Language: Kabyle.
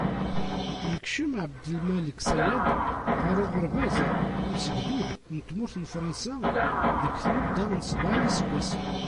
Yekcem Ɛebdelmalek Sayad ɣer uɣerbaz amsegdud n tmurt n Fransa deg tnudda n sebεa n yiseggasen.